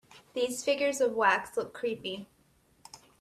These figures of wax look creepy.